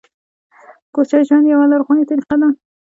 کوچي ژوند یوه لرغونې طریقه ده